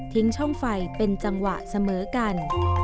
ช่องไฟเป็นจังหวะเสมอกัน